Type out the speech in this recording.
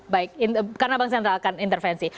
baik karena bang sen rakan intervensi